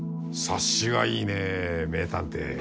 察しがいいね名探偵。